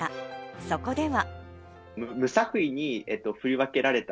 そこでは。